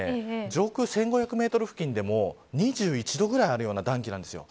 上空１５００メートル付近でも２１度ぐらいあるような暖気なんですよ。